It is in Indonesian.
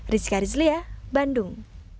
rizka rizlia bandung